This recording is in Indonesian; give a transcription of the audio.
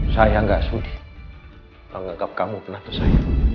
saya tidak sudi menganggap kamu penatu saya